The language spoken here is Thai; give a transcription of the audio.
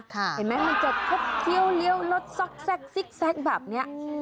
เห็นมั้ยมันจะเกี้ยวรถซักซิกแซกแบบเนี้ย